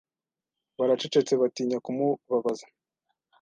Baracecetse batinya kumubabaza.